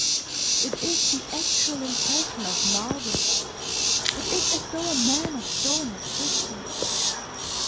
It is the actual impression of marble, it is as though a man of stone had kissed me.